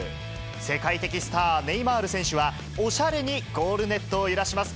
世界的スター、ネイマール選手は、おしゃれにゴールネットを揺らします。